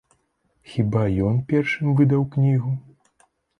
Хіба ён першым выдаў кнігу?